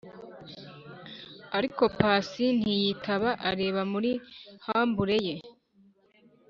ariko pasi ntiyitaba areba muri hambure ye